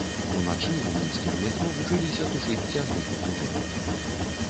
Уначы ў мінскім метро вучыліся тушыць цягнік у тунэлі.